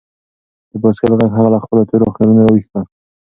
د بایسکل غږ هغه له خپلو تورو خیالونو راویښ کړ.